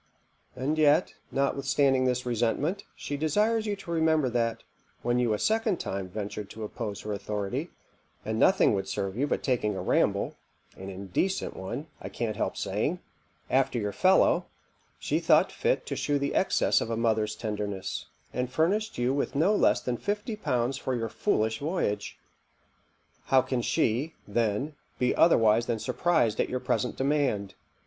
And yet, notwithstanding this resentment, she desires you to remember that, when you a second time ventured to oppose her authority, and nothing would serve you but taking a ramble (an indecent one, I can't help saying) after your fellow, she thought fit to shew the excess of a mother's tenderness, and furnished you with no less than fifty pounds for your foolish voyage. How can she, then, be otherwise than surprized at your present demand?